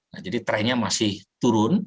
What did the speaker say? nah jadi trennya masih turun